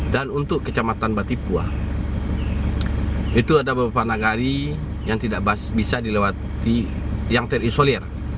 dan untuk kecamatan batipuah itu ada beberapa negari yang tidak bisa dilewati yang terisolir